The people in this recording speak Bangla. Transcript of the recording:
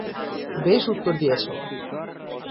বেশ উত্তর দিয়াছ।